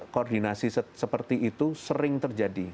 koordinasi seperti itu sering terjadi